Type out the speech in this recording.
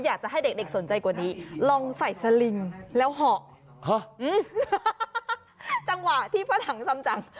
อยากจะให้เด็กสนใจกว่านี้ลองใส่สลิงแล้วเหาะจังหวะที่พระถังทำจัง